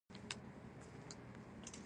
زه یو کور لرم چې ډیر ښکلی دی.